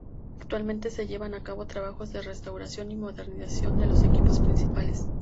Actualmente se llevan a cabo trabajos de restauración y modernización de los equipos principales.